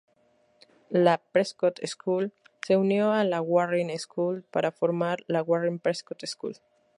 La Prescott School se unió con la Warren School para formar la Warren-Prescott School.